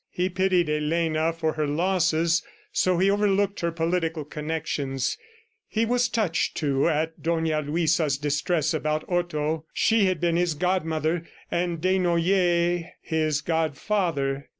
He pitied Elena for her losses, so he overlooked her political connections. He was touched, too, at Dona Luisa's distress about Otto. She had been his godmother and Desnoyers his godfather.